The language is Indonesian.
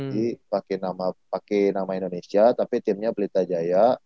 jadi pake nama indonesia tapi timnya pelita jaya